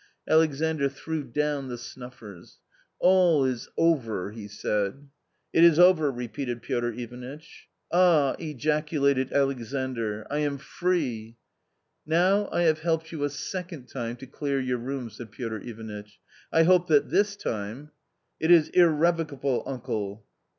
Alexandr threw down the snuffers. " All is over I " he siid. " It is over !" repeated Piotr Ivauitch. " Ah !" ejaculated Alexandr, " I am free !"" Now I have helped you a second time to clear your rooms," said Piotr Ivanitch, " I hope that this time "" It is irrevocable, uncle."